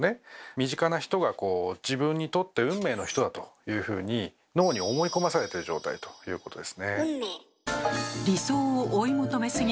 身近な人が自分にとって運命の人だというふうに脳に思いこまされてる状態ということですね。